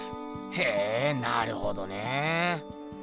へぇなるほどねえ。